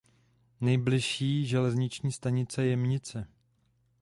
Nejbližší železniční stanice Jemnice.